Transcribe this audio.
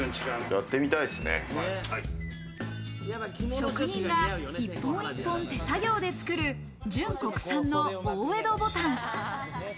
職人が一本一本、手作業で作る純国産の大江戸牡丹。